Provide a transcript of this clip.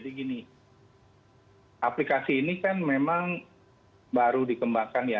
jadi gini aplikasi ini kan memang baru dikembangkan ya